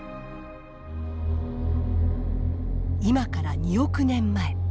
今から２億年前。